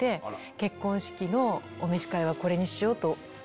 結婚式のお召し替えはこれにしようと。